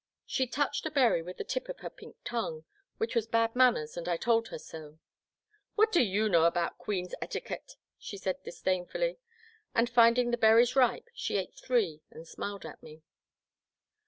She touched a berry with the tip of her pink tongue, which was bad manners, and I told her so. What do you know about Queen's eti quette? " she said disdainfully, and, finding the berries ripe, she ate three and smiled at me.